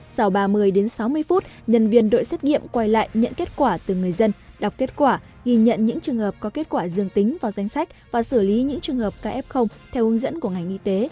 sau ba mươi đến sáu mươi phút nhân viên đội xét nghiệm quay lại nhận kết quả từ người dân đọc kết quả ghi nhận những trường hợp có kết quả dương tính vào danh sách và xử lý những trường hợp kf theo hướng dẫn của ngành y tế